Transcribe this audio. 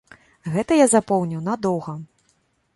Гэта я запомніў надоўга.